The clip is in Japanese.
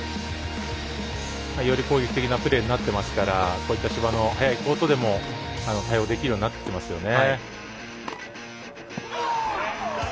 より攻撃的なプレーになってますからこういった芝の速いコートでも対応できるようになってきていますよね。